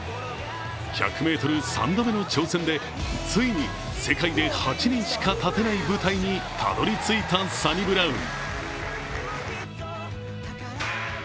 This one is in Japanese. １００ｍ３度目の挑戦で、ついに世界で８人しか立てない舞台にたどり着いたサニブラウン。